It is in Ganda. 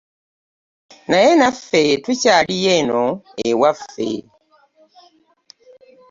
Naye naffe tukyaliyo eno ewaffe.